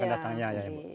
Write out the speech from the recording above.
yang akan datangnya ya bu